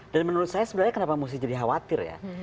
dan menurut saya sebenarnya kenapa mesti jadi khawatir ya